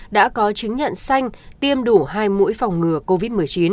đã có chứng nhận xanh tiêm đủ hai mũi phòng ngừa covid một mươi chín